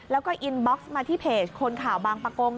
แล้วก็อินบ็อกซ์มาที่เพจคนข่าวบางประกง